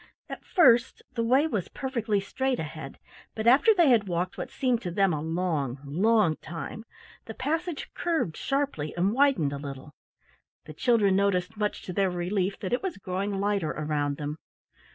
At first the way was perfectly straight ahead, but after they had walked what seemed to them a long, long time, the passage curved sharply and widened a little. The children noticed, much to their relief, that it was growing lighter around them.